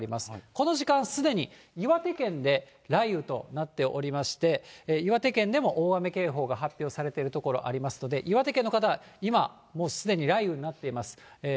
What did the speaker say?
この時間すでに岩手県で雷雨となっておりまして、岩手県でも大雨警報が発表されている所がありますので、岩手県の方、今、もうすでに雷雨になっています。